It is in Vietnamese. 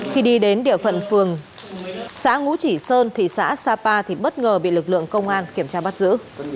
khi đi đến địa phận phường xã ngũ chỉ sơn thị xã sapa thì bất ngờ bị lực lượng công an kiểm tra bắt giữ